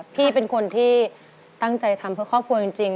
พี่เป็นคนที่ตั้งใจทำเพื่อครอบครัวจริง